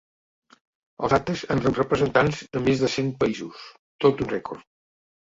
Els actes han rebut representants de més de cent països, tot un rècord.